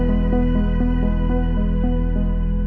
โปรดติดตามตอนต่อไป